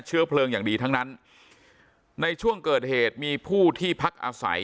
เพลิงอย่างดีทั้งนั้นในช่วงเกิดเหตุมีผู้ที่พักอาศัย